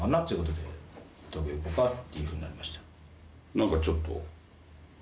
なんかちょっと。